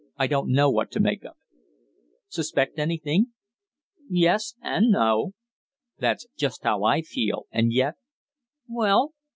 "I don't know what to make of it." "Suspect anything?" "Yes and no." "That's just how I feel, and yet " "Well?"